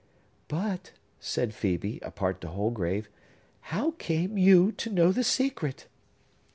"But," said Phœbe, apart to Holgrave, "how came you to know the secret?"